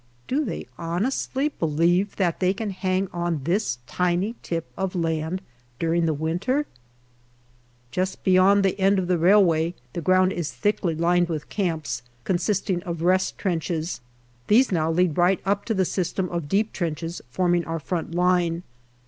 Do they honestly believe that they can hang on this tiny tip of land during the winter ? Just beyond the end of the railway, the ground is thickly lined with camps, consisting of rest trenches. These now lead right up to the system of deep trenches forming our front line.